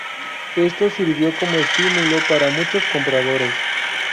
Esto sirvió como estímulo para muchos compradores.